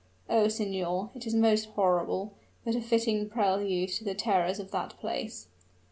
Oh! signor, it is most horrible, but a fitting prelude to the terrors of that place!"